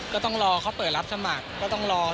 ก็ต้องรอเขาเปิดรับสมัคร